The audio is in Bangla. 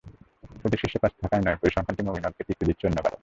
শুধু শীর্ষ পাঁচে থাকাই নয়, পরিসংখ্যানটি মুমিনুলকে তৃপ্তি দিচ্ছে অন্য কারণে।